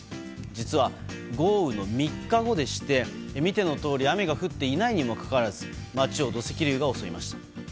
実は豪雨の３日後でして見てのとおり雨が降っていないにもかかわらず街を土石流が襲いました。